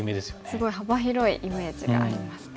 すごい幅広いイメージがありますね。